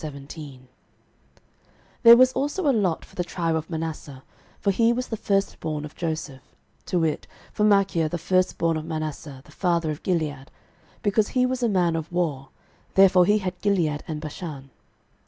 06:017:001 There was also a lot for the tribe of Manasseh; for he was the firstborn of Joseph; to wit, for Machir the firstborn of Manasseh, the father of Gilead: because he was a man of war, therefore he had Gilead and Bashan.